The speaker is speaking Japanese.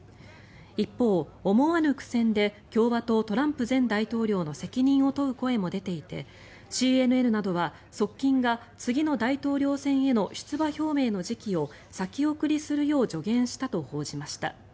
一方、思わぬ苦戦で共和党、トランプ前大統領の責任を問う声も出ていてＣＮＮなどは側近が次の大統領選への出馬表明の時期を先送りするよう助言したと報じました。